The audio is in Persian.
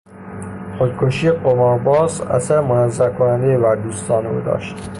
خودکشی قمارباز اثرمنزه کنندهای بر دوستان او داشت.